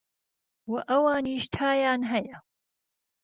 وە ئەوانیش تایان هەیە